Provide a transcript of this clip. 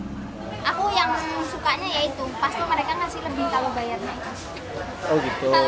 aku yang sukanya yaitu pas mereka ngasih lebih kalau bayarnya